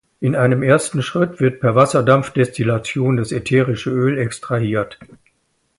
In einem ersten Schritt wird per Wasserdampfdestillation das ätherische Öl extrahiert.